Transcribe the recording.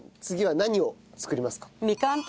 次は何を作りますか？